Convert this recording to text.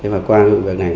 và qua việc này